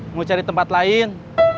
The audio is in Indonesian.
mau cari tempat lain